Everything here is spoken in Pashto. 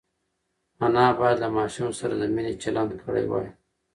انا باید له ماشوم سره د مینې چلند کړی وای.